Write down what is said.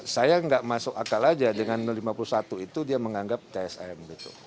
saya nggak masuk akal aja dengan lima puluh satu itu dia menganggap tsm